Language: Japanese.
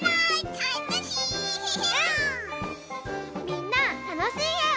みんなたのしいえを。